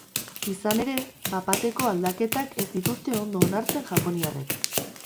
Izan ere, bapateko aldaketak ez dituzte ondo onartzen japoniarrek.